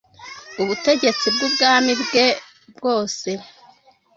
ubutegetsi bw’ubwami bwe bwose.